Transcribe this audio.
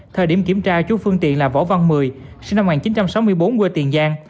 thời điểm kiểm tra chú phương tiện là võ văn mười sinh năm một nghìn chín trăm sáu mươi bốn quê tiền giang